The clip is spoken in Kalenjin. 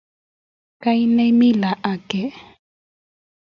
Kaine meal age?